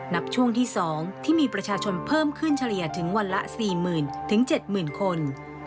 นับช่วงที่๒ที่มีประชาชนเพิ่มขึ้นเฉลี่ยถึงวันละ๔๐๐๐๗๐๐คน